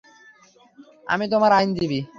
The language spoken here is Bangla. আমি তোমার আইনজীবী।